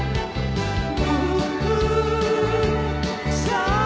「．．．さあ」